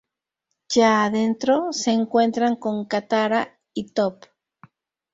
Ya adentro, se encuentran con Katara y Toph.